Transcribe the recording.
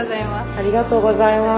ありがとうございます。